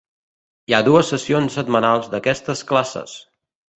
Hi ha dues sessions setmanals d'aquestes classes.